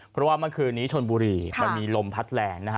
เพราะว่าเมื่อคืนนี้ชนบุรีมันมีลมพัดแรงนะฮะ